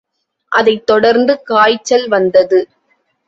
அதைத் தொடர்ந்து காய்ச்சல் வந்தது.